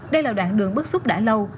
đây là đoạn đường bất xúc đã lâu